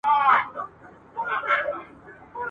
آیا روغتیا د تعلیم سره تړاو لري؟